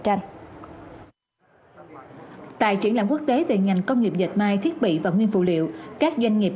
tranh tại triển lãm quốc tế về ngành công nghiệp dệt may thiết bị và nguyên phụ liệu các doanh nghiệp